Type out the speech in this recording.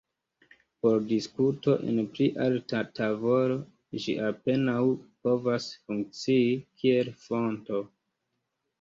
Por diskuto en pli alta tavolo, ĝi apenaŭ povas funkcii kiel fonto.